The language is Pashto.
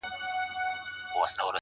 تا په درد كاتــــه اشــــنــــا.